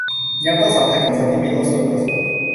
ยังต้องสัมพันธ์กับคนที่มีโลกส่วนตัวสูง